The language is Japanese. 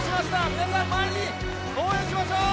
皆さん、前に、応援しましょう。